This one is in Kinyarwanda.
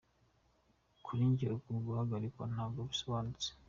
Kuri jye, uku guhagarikwa ntago gusobanutse.